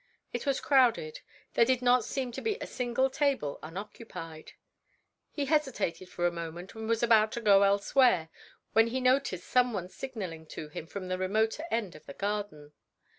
It was crowded; there did not seem to be a single table unoccupied. He hesitated for a moment, and was about to go elsewhere when he noticed some one signaling to him from the remoter end of the garden.